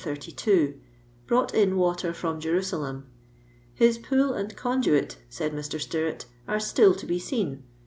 32) brought in water from Je rusalem. " His pool and conduit," said Mr. Stirrat, "are still to be seen.